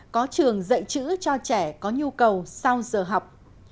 có trường dạy chữ cho trẻ có nhu cầu sau giờ học